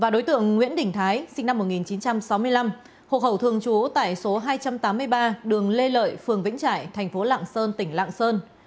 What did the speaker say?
đối tượng nguyễn đình thái sinh năm một nghìn chín trăm sáu mươi năm hộ khẩu thường trú tại số hai trăm tám mươi ba đường lê lợi phường vĩnh trại thành phố lạng sơn tỉnh lạng sơn